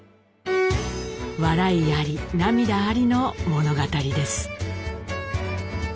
笑いあり涙ありの物語です。